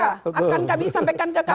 akan kami sampaikan ke kami